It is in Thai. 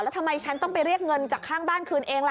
แล้วทำไมฉันต้องไปเรียกเงินจากข้างบ้านคืนเองล่ะ